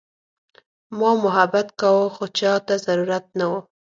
ما محبت کاوه خو چاته ضرورت نه وه.